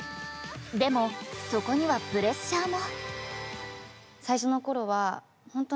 でもそこにはプレッシャーも。